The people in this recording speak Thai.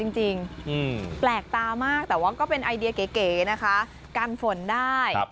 จริงแปลกตามากแต่ว่าก็เป็นไอเดียเก๋นะคะกันฝนได้